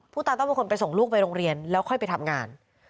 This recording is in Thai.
ตาต้องเป็นคนไปส่งลูกไปโรงเรียนแล้วค่อยไปทำงาน